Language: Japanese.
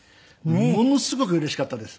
ものすごくうれしかったです。